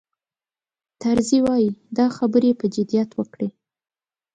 طرزي وایي دا خبرې یې په جدیت وکړې.